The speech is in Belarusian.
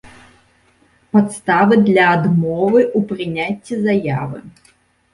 Падставы для адмовы ў прыняццi заявы